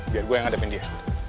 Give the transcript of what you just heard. biar gue yang ngadepin dia